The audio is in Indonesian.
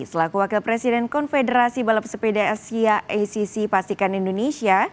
selaku wakil presiden konfederasi balap sepeda asia acc pastikan indonesia